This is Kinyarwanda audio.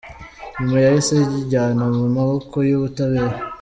Nyuma yahise yijyana mu maboko y’ubutabera.